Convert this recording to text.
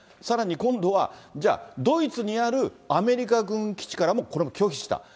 さらに今度はじゃあ、ドイツにあるアメリカ軍基地からもこれも拒否した。